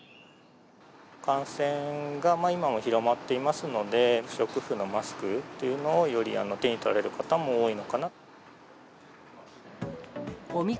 感染が今も広まっていますので、不織布のマスクというのをより手に取られる方も多いのかなと。